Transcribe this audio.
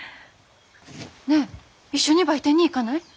ねえ一緒に売店に行かない？